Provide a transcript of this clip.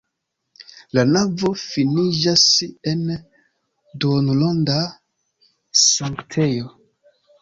La navo finiĝas en duonronda sanktejo.